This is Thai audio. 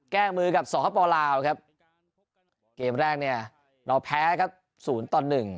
แก้มือกับสหปอลาวครับเกมแรกเนี่ยเราแพ้ครับ๐ต่อ๑